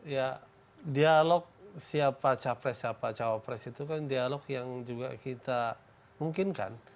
ya dialog siapa capres siapa cawapres itu kan dialog yang juga kita mungkinkan